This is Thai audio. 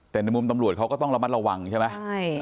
แต่ในมุมตำรวจเขาก็ต้องระมัดระวังใช่ไหม